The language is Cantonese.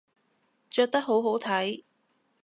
着得好好睇